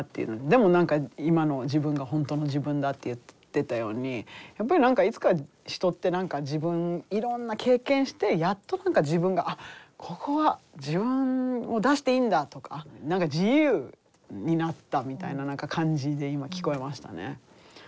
でも何か今の自分が本当の自分だって言ってたようにやっぱり何かいつか人っていろんな経験してやっと何か自分が「あっここは自分を出していいんだ」とか何か自由になったみたいな感じで今聞こえましたね。